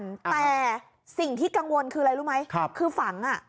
แต่สิ่งที่กังวลคืออะไรรู้ไหมครับคือฝังอ่ะ